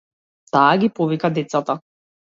Таа ги повика децата.